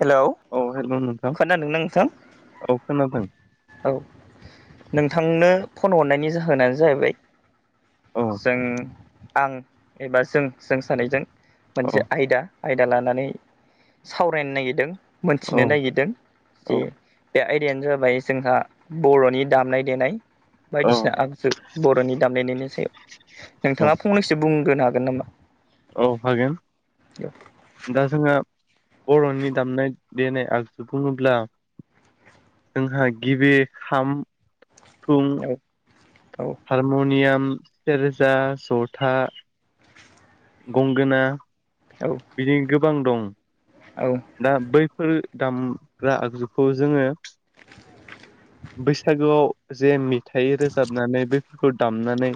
Hello औ हेल' नोंथां खोनादोंना नोंथां। औ खोनादों औ नोंथांनो फन हरनायनि जाहोनानो जाहैबाय औ जों आं एबा जों जों सानैजों औ मोनसे आयदा आयदा लानानै सावरायनो नागिरदों औ मोनथिनो नागिरदों जे औ बे आयदायानो जाबाय जोंहा बर'नि दामनाय देनाय औ बायदिसिना आगजु बर'नि दामनाय देनायनि सायाव औ नोंथाङा फंनैसो बुंग्रोनो हागोन नामा? औ हागोन दा जोंङा बर'नि दामनाय देनाय आजफुङोब्ला जोंहा गिबि खाम सिफुं हारम'नियाम सेरजा जथा गंगोनां। औ बिदि गोबां दं। औ दा बैफोर दामग्रा आगजुखौ जोङो बैसागोआव जे मेथाइ रोजाबनानै बैफोरखौ दामनानै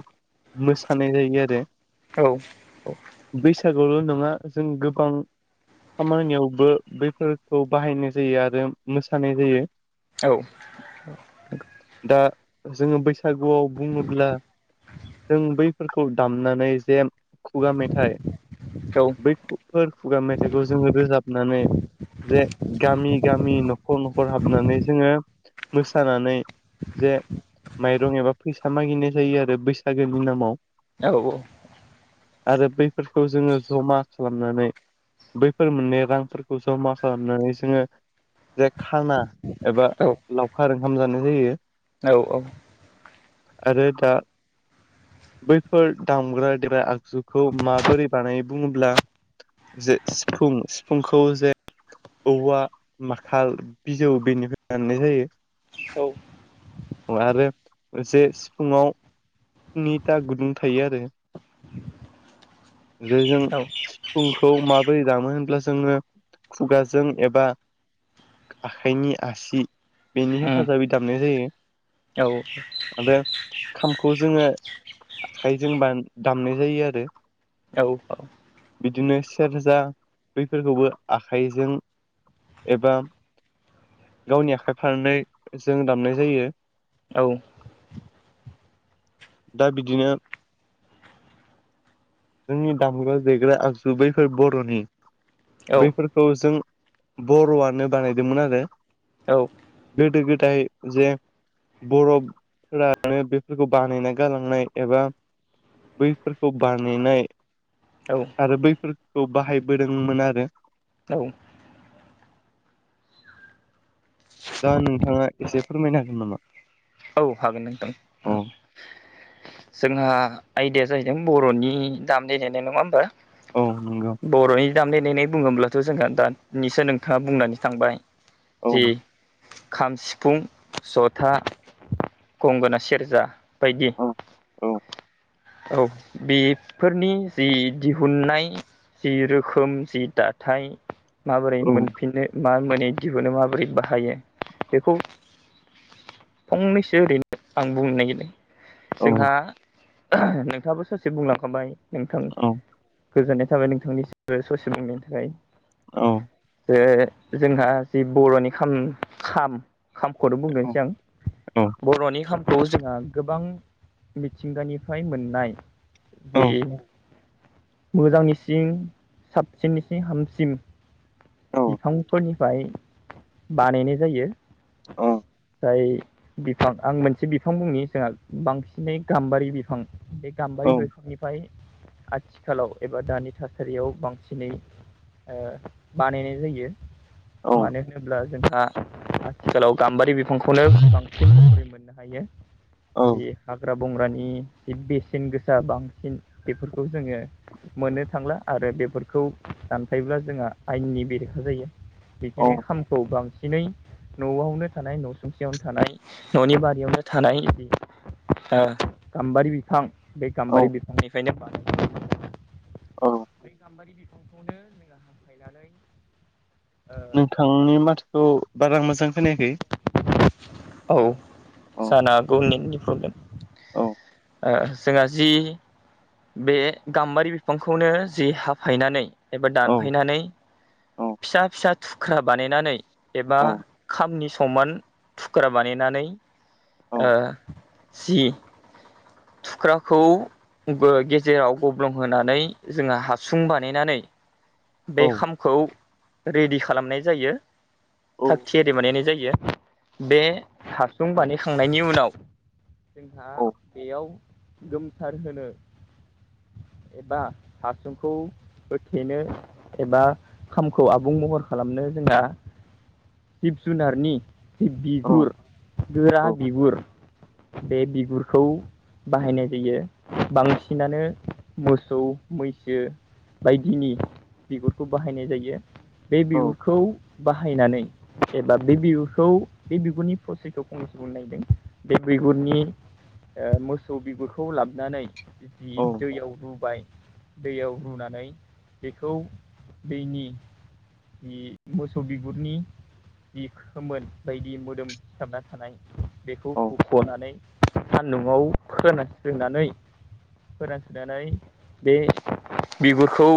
मोसानाय जायो आरो। औ-औ। बैसागुल' नङा जों गोबां खामानियावबो बैफोरखौ बाहायनाय जायो आरो मोसानाय जायो। औ दा जोङो बैसागुआव बुङोब्ला जों बैफोरखौ दामनानै जे खुगा मेथाइ बैफोर खुगा मेथाइखौ जोङो रोजाबनानै जे गामि गामि न'खर-न'खर हाबनानै जोङो मोसानानै जे माइरं एबा फैसा मागिनाय जायो आरो बैसागोनि नामाव। औ [unintelligible] आरो बैफोरखौ जोङो जमा खालामनानै बैफोर मोननाय रांफोरखौ जमा खालामनानै जोङो जाय खाना एबा लावखार ओंखाम जानाय जायो। औ औ। आरो दा बैफोर दामग्रा-देग्रा आगजुखौ माबोरै बानायो बुङोब्ला जे सिफुं सिफुंखौ जे औवा माखाल बिजौ बेनिफ्राय बानायनाय जायो। औ। आरो जे सिफुुंङाव नि दा गुदुं थायो आरो। [inaudible] जे जों औ सिफुंखौ माबोरै दामो होनब्लासो जोङो खुगाजों एबा आखाइनि आसि बेनि हेफाजाबै दामनाय जायो औ आरो खामखौ जोङो आखाइजोंबा दामनाय जायो आरो औ औ। बिदिनो सेरजा बैफोरखौबो आखाइजों एबा गावनि आखाइ फारनै जों दामनाय जायो। औ। दा बिदिनो। जोंनि दामग्रा देग्रा आगजु बैफोर बर'नि बैफोरखौ जों बर'आनो बानायदोंमोन आरो। औ गोदो गो दाय जे बर'फोरानो बेफोरखौ बानायना गालांनाय एबा बैफोरखौ बानायनाय आरो बै खौ बाहायबोदोंमोन आरो औ दा नोंथाङा एसे फोरमायनो हागोन नामा औ हागोन नोंथां औ जोंहा आयदाया जाहैदों बर'नि दामनाय देनाय नङा होमबा औ नंगौ बर'नि दामनाय देनाय बुङोब्लाथ' जोंहा दानिसो नोंथाङा बुंनानै थांबाय औ जि खाम, सिफुं, जथा, गंगोना, सेरजा बायदि। औ औ औ बेफोरनि जि दिहुननाय जि रोखोम जि दाथाय माबोरै मोनफिनो मा दिहुननो माबोरै बाहायो बेखौ फंनैसो ओरैनो आं बुंनो नागिरदों औ जोंहा नोंथाङाबो सासे बुंलांखाबाय नोंथां औ गोजोननाय थाबाय नोंथांनि ससे मिनि थाखाय औ ओ जोंहा जि बर'नि खाम खामखौनो बुंग्रोनोसै आं बर'नि खाम खौ जोंहा गोबां मिथिंगानिफ्राय मोननाय औ बेे मोजांनिसिं साबसिननि सिं हामसिम बिफांफोरनिफ्राय बानायनाय जायो औ बिफां आं मोनसे बिफां बुंनि जोंहा बांसिनै गाम्बारि बिफां बे गाम्बारि बिफांनिफ्रायाय आथिखालाव एबा दानि थासारियाव बांसिनै ओ बानायनाय जायो मानो होनोब्ला जों हा आथिखालाव गाम्बारि बिफांखौनो बांसिन मरै मोननो हायो बे हाग्रा बंग्रानि बेसेन गोसा बांसिन बेफोरखौ जोङो मोननो थांला आरो बेफोरखौ दानफायोब्ला जोंहा आयेननि बेरेखा जायो औ बेखायनो खामखौ बांसिन दिनै न'आवनो थानाय न' सुंखियावनो थानाय न'नि बारियावनो थानाय ओ गाम्बारि बिफां बे गाम्बारि बिफांनिफ्रायनो बानायनाय औ बै गामबारि बिफांखौनो मैया हाफायनानै नोंथांनि माथाखौ बारा मोजां खोनायाखै औ अ जानो हागौ नेटनि प्रब्लेम औ ओ जोंहा जि बे गाम्बारि बिफांखौनो जि हाफायनानै एबा औ दानफैनानै औ फिसा फिसा थुख्रा बानायनानै एबा औ खामनि समान थुख्रा बानायनानै औ ओ जि थुख्राखौ गेजेराव गब्लंहोनानै जोंहा हासुं बानायनानै बे औ खामखौ रेडि खालामनाय जायो औ थाखथियारि बानायनाय जायो बे हासुं बानायखांनायनि उनाव जोंहा औ बेयाव गोमथार होनो एबा हासुंखौ होथेनो एबा खामखौ आबुं महर खालामनो जोंना जिब जुनारनि जि औ बिगुर गोरा औ बिगुर बे बिगुरखौ बाहायनाय जायो बांसिनानो मोसौ मैसो बायदिनि बिगुरखौ बाहायनाय जायो बे औ बिगुरखौ बाहायनानै एबा बे बिबुरखौ बे बिगुरनि फसयथखौ फंसे बुलनायदों बे बिगुरनि ओ मोसौ बिुरखौ ला नानै बिदि दैयाव रुबाय दैयाव रुनानै बे खौ दैनि मोसौ बिगुरनि जि खोमोन बायदि मोदोम फिसाबना थानाय बेखौ औ होख'नानै सान्दुंआव फोना दोननानै फोरानसोनानै बे बिगुरखौ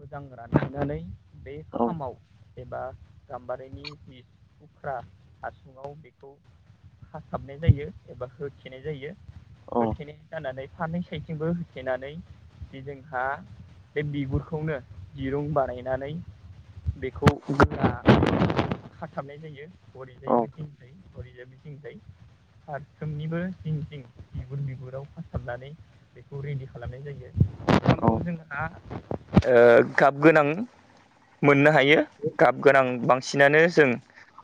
मोजां रानहोनानै बे औ औ खामाव एबा गाम्बारिनि जि थुख्रा हासुङाव बेखौ खाथाबनाय जायो एबा होथेनाय जायो औ होथेनाय जानानै फारनैै साइथिंबो होथेनानै बे जोंहा बे बिगुरखौ खौनो दिरुं बानायनानै बेखौ गोरा खाथाबनाय जायो हरैजायैबो दिंजाय हरैजायबो दिंजाय फारफ्रोमनिबो जिं जिं बिगुर बिगुराव खाथाबनानै बेखौ रेडि खालामनाय जायो। खामखौ औ जोंहा ओ गाब गोनां मोननो हायो गाब गोनां बांसिनानो जों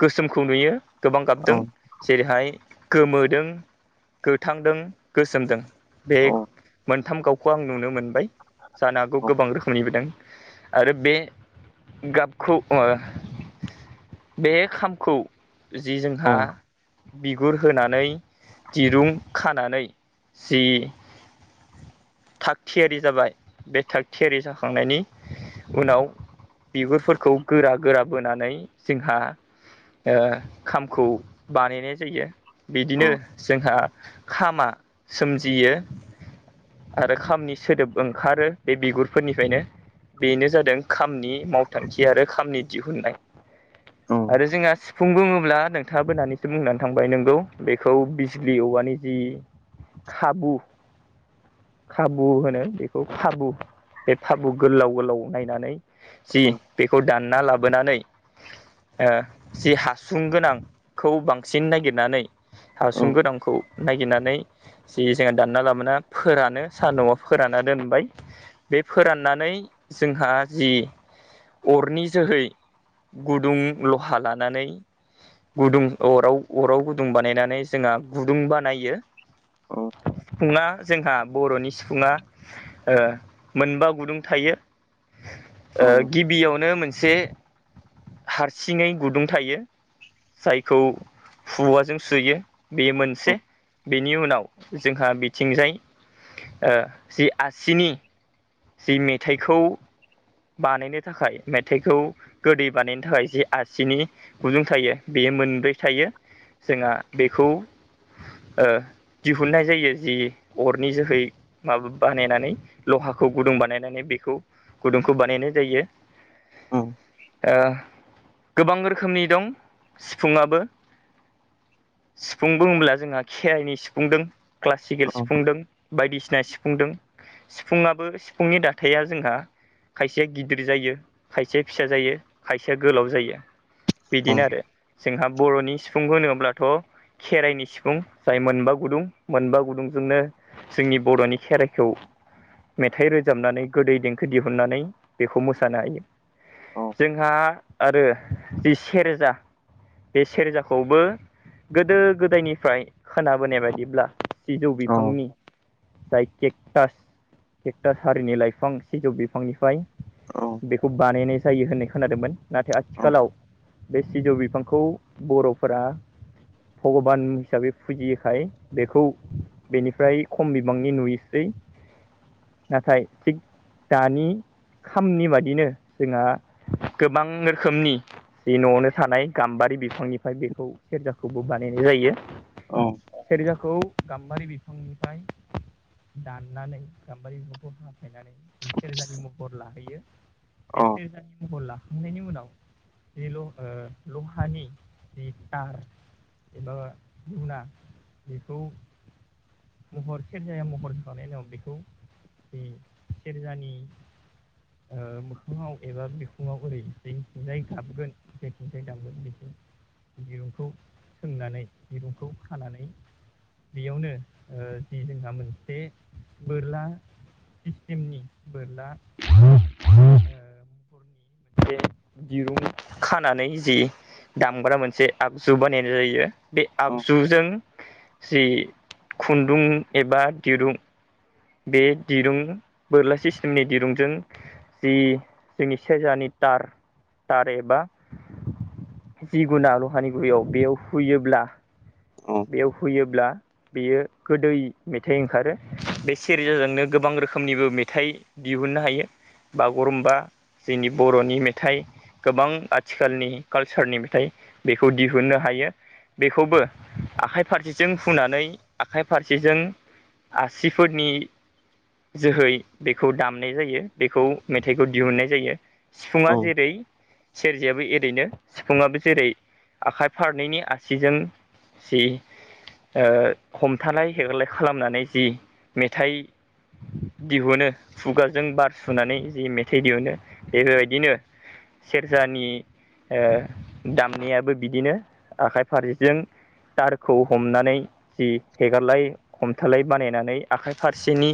गोसोमखौ नुयो। गोबां औ औ गाबदों जेरैहाय गोमोदों। गोथांदों गोसोमदों बे मोनथाम गावखौ आं नुनो मोनबाय। जानोहागौ औ गोबां रो खोमनिबो दों आरो बे गाबखौ ओ बे खामखौ जि जोंहा बिगुर होनानै दिरुं खानानै जि थाग थियारि जाबाय बे थाग थियारि जाखांनायनि उनाव बिगुरफोरखौ गोरा गोरा बोनानै जोंहा ओ खामखौ बानायनाय जायो बिदिनो जोंहा खामा सोमजियो आरो खामनि सोदोब ओंखारो बे बिगुरफोरनि फ्रायनो बेनो जादों खामनि मावथांखि आरो खामनि दिहुननाय आरो औ जोंहा सिफुं बुङोब्ला नों थाङाबो दानिसो बुंनानै थांबाय नोंगौ बेखौ बिजलि औवानि जि खाबु खाबु होनो बेखौ खारबु नायनानै जि बेखौ दानना लाबोनानै ओ जि हासुं गोनांखौ बांसिन नागिरनानै हासुं गोनांखौ नागिरनानै जि जोंहा दानना लाबोना फोरानो सान्दुंआव फोराना दोनबाय बे फोराननानै जोंहा जि अरनि जोहै गुदुं लहा लानानै गुदुं अराव -अराव गुदुं बानायनानै जोंहा गुदुं बानायो। अ ङा जोंहा बर'नि सिफुङा ओ मोनबा गुदुं थायो। ओ गिबियावनो मोनसे हारसिङै गुदुं थायो जायखौ हुवाजों सुयो बे मोनसे बि नि उनाव जोंहा बिथिंजाय ओ जि आसिनि जि मेथाइखौ बानायनो थाखाय मेथाइखौ गोदै बानायनो थाखाय जि आसिनि गुदुं थायो बेयो मोनब्रै थायो जोंहा बेखौ ओ दिहुननाय जायो जि अरनि जोहै माबा बानायनानै लहा खौ गुदुं बानायनानै बेखौ गुदुंखौ बानायनाय जायो ओ गोबां रोखोमनि दं सिफुुंङाबो। सिफुं बुङोब्ला जोंहा खेराइनि सिफुं दों क्लासिकेल सिफुंदों बायदिसिना सि फुंदों सिफुङाबो सिफुंनि दाथाया जोंहा खायसेया गिदिर जायो खायसेया फिसा जायो खायसेया गोलाव जायो। बिदिनो आरो जोंहा बर'नि सिफुं होनोब्लाथ' खेराइनि सिफुं जाय मोनबा गुदुं मोनबा गुदुंजोंनो जोंनि बर'नि खेराइखौ मेथाइ रोजाबनानै गोदै देंखो दिहुननानै बेखौ मोसानो हायो। जोंहा आरो जि सेरजा बे सेरजाखौबो गोदो गोदायनिफ्राय खोनाबोनाय बादिब्ला सिजौ बिफांनि औ जाय केकटास केकटास हारिनि लाइफां सिजौ बिफांनिफ्राय बेखौ बानायनाय जायो होननाय खोनादोंमोन नाथाय आथिखालाव बे सिजौ बिफांखौ बर'फोरा भगबान हिसाबै फुजियोखाय बेखौ बेनिफ्राय खम बिबांनि नुयोसै नाथाय थिग दानि खामनि बादिनो जोंहा गोबां रोखोमनि जि न'आवनो थानाय गाम्बारि बिफांनिफ्राय बेखौ सेरजाखौबो बानायनाय जायो। सेरजाखौ गाम्बारि बिफांनिफ्राय दाननानै गाम्बारि बिफांखौ हाफायनानै सेरजानि महर लाहैयो बे सेरजानि महर लाखांनायनि उनाव जि ल ओ लहानि जि तार एबा गुना बेखौ महर सेरजाया महर होखांनायनि उनाव बेखौ बे सेरजानि ओ मोखाङाव एबा बिखुङाव ओरै जेथिंजाय गाबगोन जेथिंजाय दामगोन बेखौ दिरुंखौ सोंनानै दिरुंखौ हानानै बियावनो ओ जि जोंहा मोनसे बोरला टिमनि बोरला ओ महरनि मोनसे दिरुं खानानै जि दामग्रा मोनसे आगजु बानायनाय जायो बे आगजुजों जि खुन्दुं एबा दिरुं बे दिरुं बोरला सिस्टेमनि दिरुंजों जि जोंनि सेरजानि तार तार एबा जिगुुना लहानि गुयाव बेयाव हुयोब्ला बेयाव हुयोब्ला बेयो गोदै मेथाइ ओंखारो बे सेरजाजोंनो गोबां रोखोमनिबो मेथाइ दिहुननो हायो बागुरुमबा जोंनि बर'नि मेथाइ गोबां आथिखालनि कालसारनि मेथाइ बेखौ दिहुननो हा यो बेखौबो आखाइ फारसेथिं हुनानै आखाइ फारसेजों आसिफोरनि जोहै बेखौ दामनाय जायो बेखौ मेथाइखौ दिहुननाय जायो। सिफुंङा जेरै सेरजायाबो ए रैनो सिफुङाबो जेरै आखाइ फारनैनि आसिजों जि ओ हमथानाय हेगारलाय खालामनानै जि मेथाइ। दिहुनो खुगाजों बार सुनानै जि मेथाइ दिहुनो बेबायदिनो सेरजानि ओ दामनायाबो बिदिनो आखाइ फारसेजों थारखौ हमनानै जि हेगारलाय हमथालाय बानायनानै आखाइ फारसेनि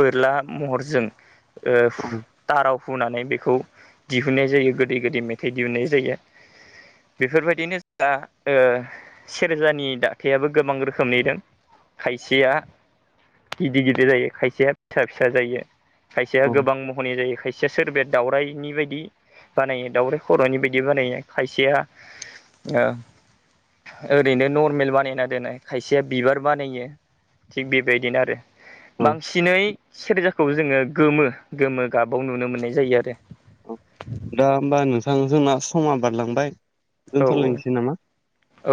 बोरला महरजों ओ औ थाराव हुनानै बेखौ दिहुननाय जायो गोदै गोदै मेथाइ दिहुननाय जायो। बेफोरबायदिनो जोंहा ओ सेरजानि दाथायाबो गोबां रोखोमनि दों। खायसेया। गिदिर गिदिर जायो खायसेया फिसा फिसा जायो खायसेया गोबां महरनि जायो खाय सेया सोरबाया दाउरायनि बायदि बानायो दाउराइ खर'नि बायदि बानायो खायसेया ओ। ओरैनो नर्मेल बानायना दोननाय खायसेया बिबार बानायो थिग बेबायदिनो आरो। बांसिनै सेरजाखौ जोङो गोमो गोमो गाबाव नुनो मोननाय जायो आरो। थां जोंना समा बारलांबाय औ दोनथ'लायनोसै नामा। औ